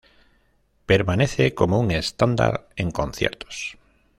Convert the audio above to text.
Permanece como un estándar en conciertos.